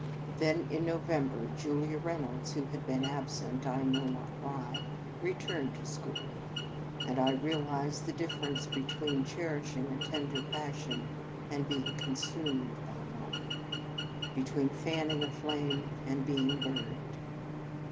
Then in November, Julia Reynolds, who had been absent, I know not why, returned to school; and I realized the difference between cherishing a tender passion and being consumed by one, between fanning a flame and being burned.